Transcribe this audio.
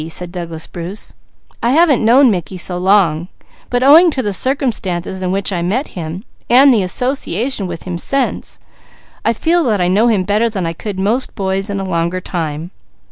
said Douglas Bruce. "I haven't known Mickey so long, but owing to the circumstances in which I met him, and the association with him since, I feel that I know him better than I could most boys in a longer time.